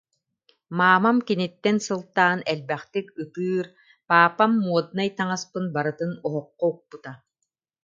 Маамам киниттэн сылтаан элбэхтик ытыыр, паапам моднай таҥаспын барытын оһоххо укпута